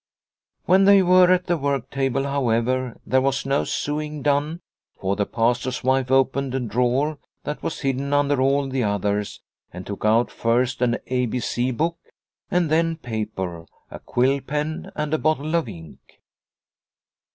When they were at the work table, however, there was no sewing done, for the Pastor's wife opened a drawer that was hidden under all the others and took out first an A B C book and then paper, a quill pen and a bottle of ink.